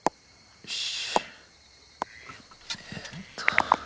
よし。